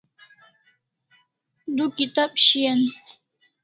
Du kitab shian